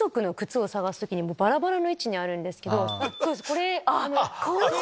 これ。